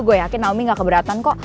gue yakin naomi gak keberatan kok